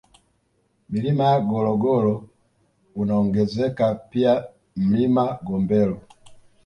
Milima ya Gologolo unaongezeka pia Mlima Gombelo